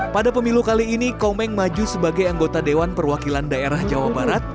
pada pemilu kali ini komeng maju sebagai anggota dewan perwakilan daerah jawa barat